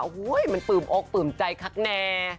โอ้โห้ยมันปลืมอกปลืมใจคักแน่